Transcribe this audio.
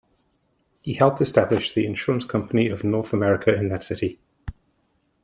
He helped to establish the Insurance Company of North America in that city.